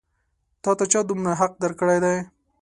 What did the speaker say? تا ته چا دومره حق درکړی دی؟